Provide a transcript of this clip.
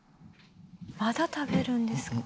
「まだ食べるんですか？」